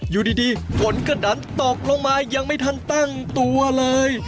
อยู่ดีฝนก็ดันตกลงมายังไม่ทันตั้งตัวเลย